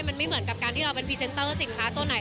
มันไม่เหมือนกับการที่เราเป็นพรีเซนเตอร์สินค้าตัวไหน